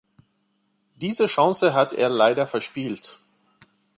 Diese Chance hat er leider verspielt!